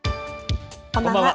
こんばんは。